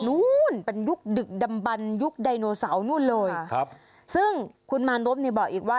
นู้นเป็นยุคดึกดำบันยุคไดโนเสาร์นู่นเลยครับซึ่งคุณมานพเนี่ยบอกอีกว่า